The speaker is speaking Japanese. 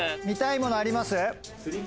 見たいものあります？